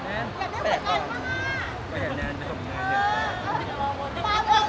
เอาเรื่องต่อไป